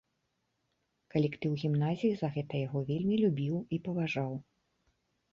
Калектыў гімназіі за гэта яго вельмі любіў і паважаў.